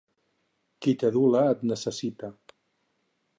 Qui t'adula et necessita.